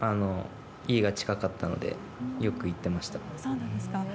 家が近かったのでよく行っていました。